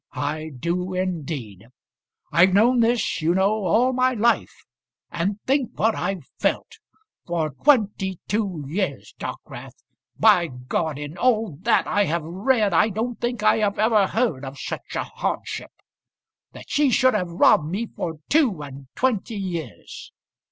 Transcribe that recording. I do, indeed. I've known this, you know, all my life; and think what I've felt! For twenty two years, Dockwrath! By ! in all that I have read I don't think I ever heard of such a hardship! That she should have robbed me for two and twenty years!